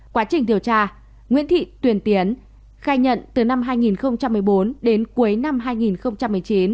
quá trình điều tra nguyễn thị tuyền tiến khai nhận từ năm hai nghìn một mươi bốn đến cuối năm hai nghìn một mươi chín